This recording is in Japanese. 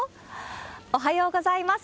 おはようございます。